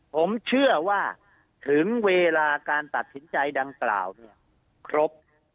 ผมเชื่อว่าถึงเวลาการตัดสินใจดังกล่าวเนี่ยครบ